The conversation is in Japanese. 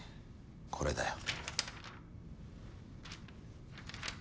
これだよ。